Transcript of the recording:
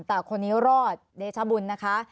แต่คนนี้รอดเดชบุญนะคะ